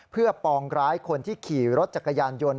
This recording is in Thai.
เพื่อปองร้ายคนที่ขี่รถจักรยานยนต์